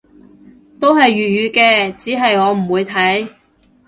都係粵語嘅，只係我唔會睇